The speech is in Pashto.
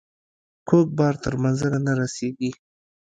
کوږ بار تر منزله نه رسیږي.